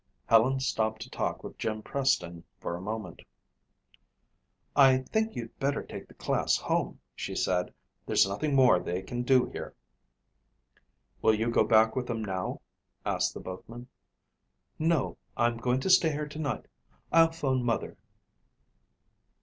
Helen stopped to talk with Jim Preston for a moment. "I think you'd better take the class home," she said. "There's nothing more they can do here." "Will you go back with them now?" asked the boatman. "No, I'm going to stay here tonight. I'll phone mother."